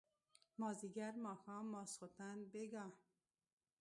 مازيګر ماښام ماسخوتن بېګا